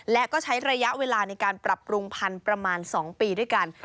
และก็ใช้ระยะเวลาในการปรับปรุงพันธุ์ประมาณ๒ปีด้วยกัน